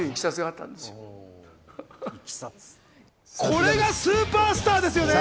これがスーパースターですよね。